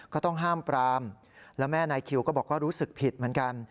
ก็ต้องห้ามปรามแล้วแม่นายคิวก็บอกว่ารู้สึกผิดเหมือนกัน